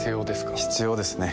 必要ですね